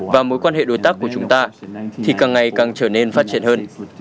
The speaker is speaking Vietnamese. và mối quan hệ đối tác của chúng ta thì càng ngày càng trở nên phát triển hơn